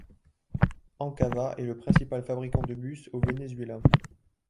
Encava est le principal fabricant de bus du Venezuela.